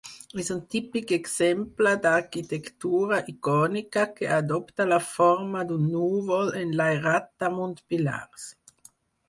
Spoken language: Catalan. És un típic exemple d’arquitectura icònica que adopta la forma d’un núvol enlairat damunt pilars.